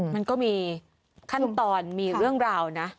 มันก็มีขั้นตอนมีเรื่องราวนะ